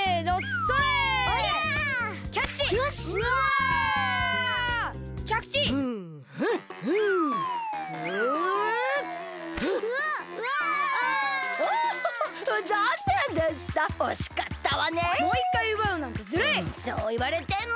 そういわれても！